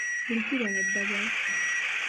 Buli kibala ddagala.